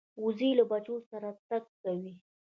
وزې له بچو سره تګ کوي